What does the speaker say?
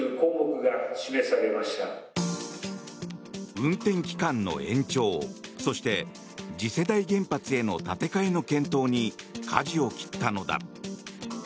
運転期間の延長そして、次世代原発への建て替えの検討にかじを切ったのだ。